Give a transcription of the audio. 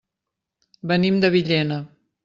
Venim de Villena.